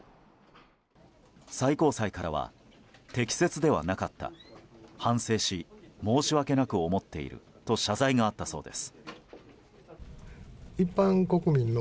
最高裁からは適切ではなかった反省し申し訳なく思っていると謝罪があったそうです。